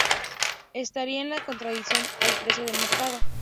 Estaría en contradicción al precio de mercado.